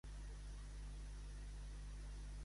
Ha viscut tota la vida a la zona de Kenosha.